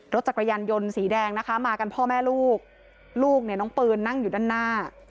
รถจักรยานยนต์สีแดงนะคะมากันพ่อแม่ลูกลูกเนี่ยน้องปืนนั่งอยู่ด้านหน้า